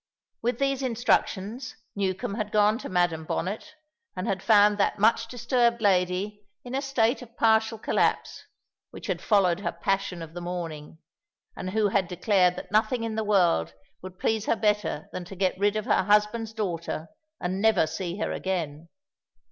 With these instructions, Newcombe had gone to Madam Bonnet and had found that much disturbed lady in a state of partial collapse, which had followed her passion of the morning, and who had declared that nothing in the world would please her better than to get rid of her husband's daughter and never see her again.